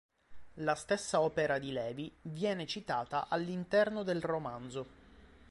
La stessa opera di Levi viene citata all'interno del romanzo.